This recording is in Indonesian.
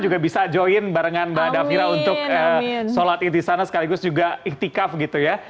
juga bisa join barengan mbak davira untuk sholat id di sana sekaligus juga ikhtikaf gitu ya